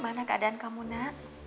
ibu apa keadaan kamu nak